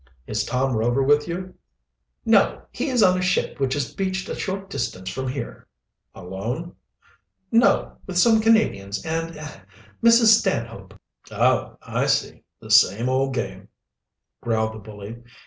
"Is Tom Rover with you?" "No, he is on a ship which is beached a short distance from here." "Alone?" "No, with some Canadians and er Mrs. Stanhope." "Oh, I see! the same old game," growled the bully.